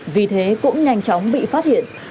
vì thế cũng nhanh chóng bị phát hiện